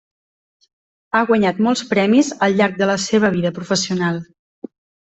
Ha guanyat molts premis al llarg de la seva vida professional.